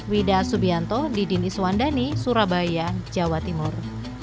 widah subianto didi niswandani surabaya jawa timur